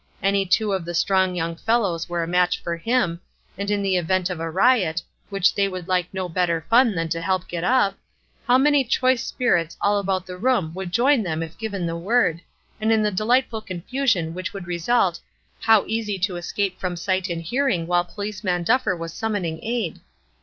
Any two of the strong young fellows were a match for him, and in the event of a riot, which they would like no better fun than to help get up, how many choice spirits all about the room would join them if given the word, and in the delightful confusion which would result how easy to escape from sight and hearing while Policeman Duffer was summoning aid!